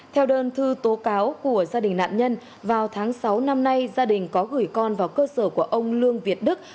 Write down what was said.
theo đơn thư tố cáo của gia đình nạn nhân vào tháng sáu năm nay gia đình có gửi con vào cơ sở của ông lương việt đức